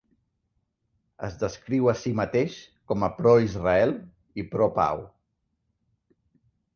Es descriu a sí mateix com a "pro Israel" i "pro pau".